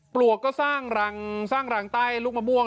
ปลวกก็สร้างรังสร้างรังใต้ลูกมะม่วง